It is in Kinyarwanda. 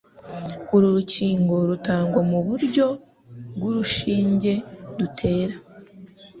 uru rukingo rutangwa mu buryo bw'urushinge dutera